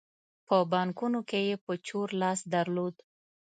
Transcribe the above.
په بانکونو کې یې په چور لاس درلود.